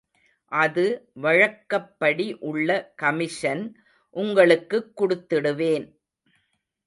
அது வழக்கப்படி உள்ள கமிஷன் உங்களுக்குக் குடுத்திடுவேன்.